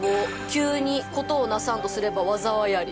「急に事をなさんとすれば災いあり」